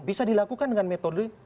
bisa dilakukan dengan metode